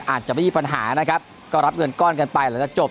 อาจจะไม่มีปัญหานะครับก็รับเงินก้อนกันไปหลังจากจบ